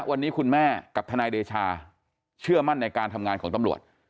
วันนี้คุณแม่กับทนายเดชาเชื่อมั่นในการทำงานของตำรวจ